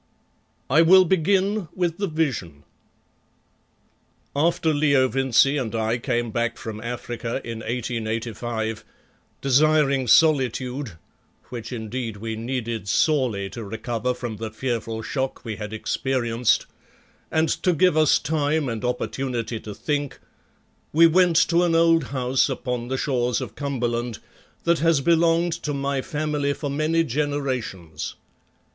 I will begin with the Vision. After Leo Vincey and I came back from Africa in 1885, desiring solitude, which indeed we needed sorely to recover from the fearful shock we had experienced, and to give us time and opportunity to think, we went to an old house upon the shores of Cumberland that has belonged to my family for many generations.